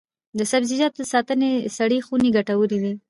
د سبزیجاتو د ساتنې سړې خونې ګټورې دي.